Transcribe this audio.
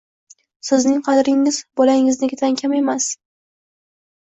sizning qadringiz bolangiznikidan kam emas.